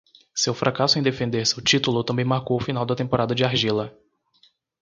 Seu fracasso em defender seu título também marcou o final da temporada de argila.